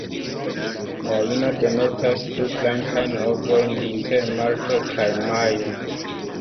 La ino demetas du blankajn ovojn inter marto kaj majo.